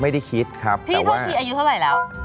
ไม่ได้คิดครับพี่โทษทีอายุเท่าไหร่แล้ว